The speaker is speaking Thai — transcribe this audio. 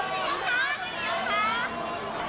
สวัสดีครับ